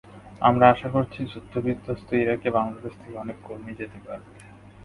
আমরা আশা করছি, যুদ্ধবিধ্বস্ত ইরাকে বাংলাদেশ থেকে অনেক কর্মী যেতে পারবে।